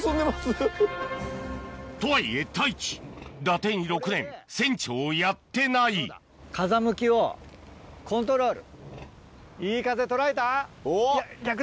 とはいえ太一だてに６年船長をやってない風向きをコントロール。